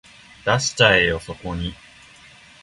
出しちゃえよそこに